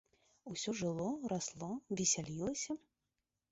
Усё жыло, расло, весялілася.